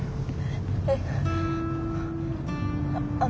えっ。